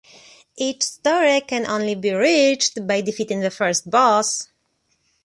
Each story can only be reached by defeating the first boss.